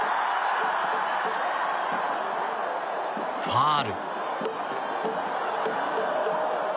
ファウル。